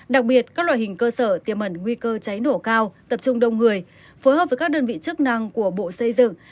đặc biệt các loại hình cơ sở tiềm mẩn nguy cơ cháy nổ cao tập trung đông người phối hợp với các đơn vị chức năng của bộ xây dựng